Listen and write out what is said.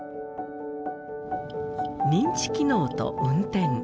認知機能と運転。